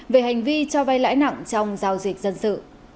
về hành vi cho vay lãi nặng trong giao dịch dân sự